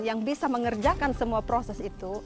yang bisa mengerjakan semua proses itu